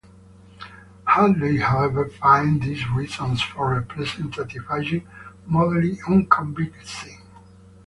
Hartley, however, finds these reasons for representative agent modelling unconvincing.